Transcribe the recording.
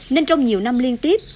nên trong nhiều năm liên tiếp